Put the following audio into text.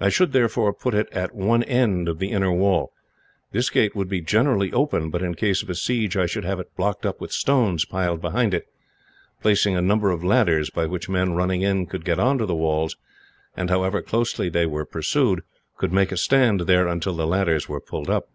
I should, therefore, put it at one end of the inner wall. This gate would be generally open, but in case of a siege I should have it blocked up with stones piled behind it, placing a number of ladders by which men, running in, could get on to the walls, and, however closely they were pursued, could make a stand there until the ladders were pulled up."